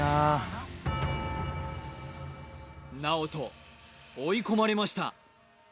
ＮＡＯＴＯ追い込まれました